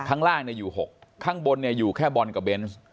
ข้างล่างเนี่ยอยู่๖ข้างบนเนี่ยอยู่แค่บอลกับเบนส์